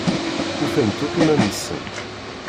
Ufant akk iman-nsent.